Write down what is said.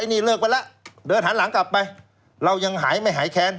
นี่เลิกไปแล้วเดินหันหลังกลับไปเรายังหายไม่หายแค้น